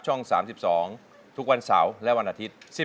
๓๒ทุกวันเสาร์และวันอาทิตย์